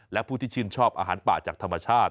และผู้ที่ชื่นชอบอาหารป่าจากธรรมชาติ